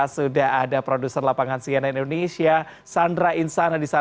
sudah ada produser lapangan cnn indonesia sandra insana di sana